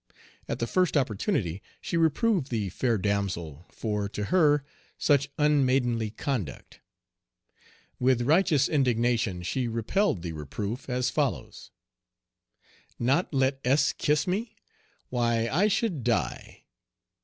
At the first opportunity she reproved the fair damsel for, to her, such unmaidenly conduct. With righteous indignation she repelled the reproof as follows: "Not let S kiss me! Why, I should die!"